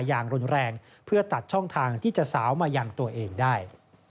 อย่างรุนแรงเพื่อตัดช่องทางที่จะสาวมาอย่างตัวเองได้